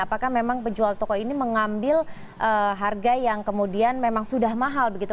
apakah memang penjual toko ini mengambil harga yang kemudian memang sudah mahal begitu